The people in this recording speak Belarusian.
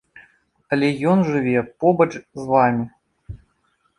Але ён жыве побач з вамі.